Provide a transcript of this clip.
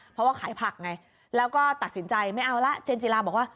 เพราะว่าขายผักไงแล้วก็ตัดสินใจไม่เอาละเจนจิลาบอกว่า